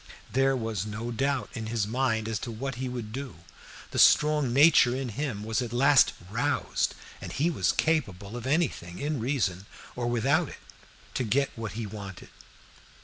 There was no doubt in his mind as to what he would do; the strong nature in him was at last roused, and he was capable of anything in reason or without it to get what he wanted.